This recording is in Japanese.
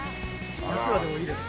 夏はでもいいです。